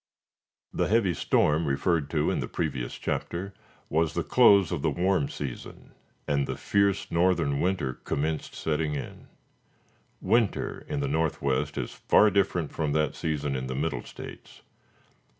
The heavy storm referred to in the previous chapter, was the close of the warm season, and the fierce northern winter commenced setting in. Winter in the northwest is far different from that season in the Middle States.